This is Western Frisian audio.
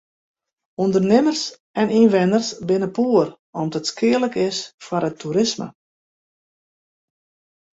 Undernimmers en ynwenners binne poer om't it skealik is foar it toerisme.